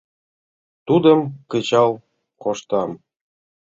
Тудым кычал коштам.